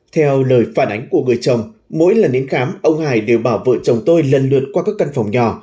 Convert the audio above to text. theo lời phản ánh của người chồng mỗi lần đến khám ông hải đều bảo vợ chồng tôi lần lượt qua các căn phòng nhỏ